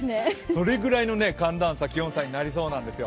それぐらいの寒暖差気温差になりそうなんですよ。